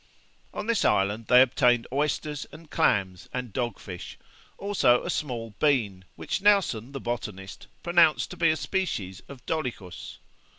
On this island they obtained oysters, and clams, and dog fish; also a small bean, which Nelson, the botanist, pronounced to be a species of dolichos.